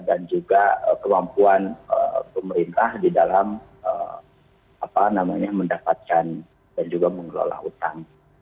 dan juga kemampuan pemerintah di dalam mendapatkan dan juga mengelola utang